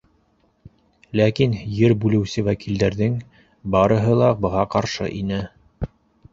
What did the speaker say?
Ләкин ер бүлеүсе вәкилдәрҙең барыһы ла быға ҡаршы ине.